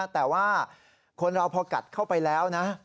แต่ว่าคนเราพอกัดเข้าไปแล้วนะ